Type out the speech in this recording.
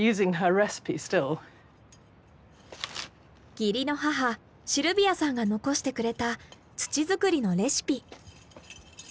義理の母シルビアさんが残してくれた土作りのレシピ。